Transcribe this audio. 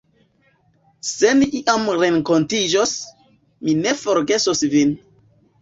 Se ni iam renkontiĝos, mi ne forgesos vin.